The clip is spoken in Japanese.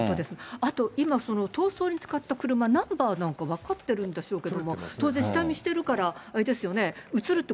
あと今その逃走に使った車、ナンバーなんか分かってるんでしょうけれども、当然、下見してるから、あれですよね、写るという